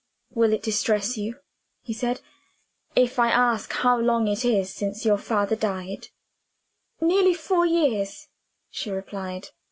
"Will it distress you," he said, "if I ask how long it is since your father died?" "Nearly four years," she replied.